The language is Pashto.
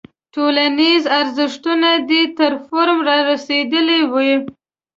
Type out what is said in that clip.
ټولنیز ارزښتونه دې تر فورم رارسېدلی وي.